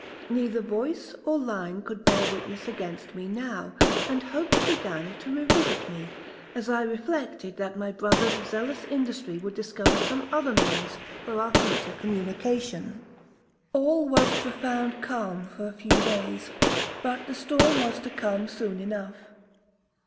Neither voice or line could bear witness against me now, and hope began to revisit me, as I reflected that my brother's zealous industry would discover some other means for our future communication. 'All was profound calm for a few days, but the storm was to come soon enough.